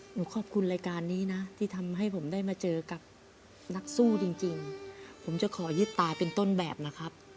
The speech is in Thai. ขอบคุณรายการนี้นะที่ทำให้ผมได้มาเจอกับนักสู้จริงผมจะขอยึดตาเป็นต้นแบบนะครับ